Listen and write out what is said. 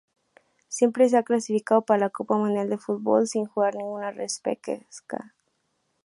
Siempre se ha clasificado para la Copa Mundial de Fútbol sin jugar ninguna repesca.